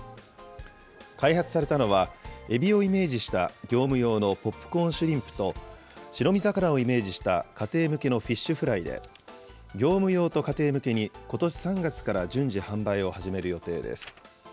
開発されたのは、エビをイメージした業務用のポップコーンシュリンプと、白身魚をイメージした家庭向けのフィッシュフライで、業務用と家庭向けに、ことし３月から順次販売を始める予定です。